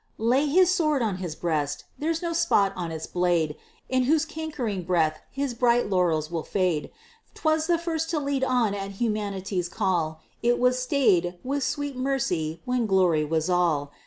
Lay his sword on his breast! There's no spot on its blade In whose cankering breath his bright laurels will fade! 'Twas the first to lead on at humanity's call It was stay'd with sweet mercy when "glory" was all!